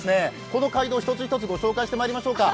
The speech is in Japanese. この街道を一つ一つ紹介してまいりましょうか。